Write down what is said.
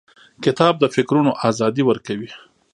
کتاب د فکرونو ازادي ورکوي.